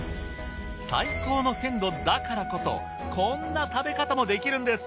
最高の鮮度だからこそこんな食べ方もできるんです。